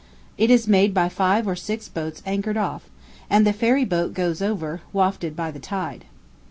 It is made by five or six boats anchored off, and the ferry boat goes over, wafted by the tide.